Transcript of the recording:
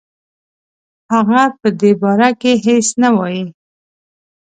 هغه په دې باره کې هیڅ نه وايي.